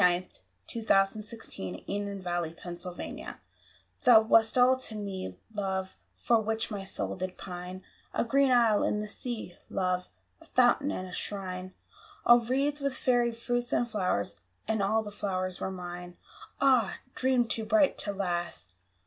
[Illustration: The Raven] TO ONE IN PARADISE Thou wast all that to me, love, For which my soul did pine A green isle in the sea, love, A fountain and a shrine, All wreathed with fairy fruits and flowers, And all the flowers were mine. Ah, dream to bright to last!